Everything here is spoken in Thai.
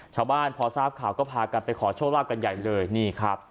ชาวบ้านพอทราบข่าวก็พากันไปขอโชคลาภกันใหญ่เลยนี่ครับ